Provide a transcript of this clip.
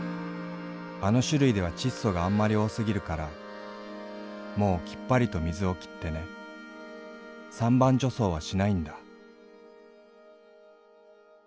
あの種類では窒素があんまり多過ぎるからもうきっぱりと灌水を切ってね三番除草はしないんだ」。